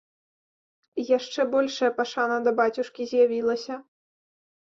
І яшчэ большая пашана да бацюшкі з'явілася.